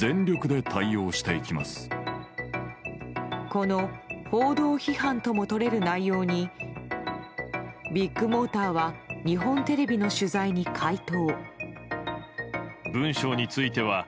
この報道批判ともとれる内容にビッグモーターは日本テレビの取材に回答。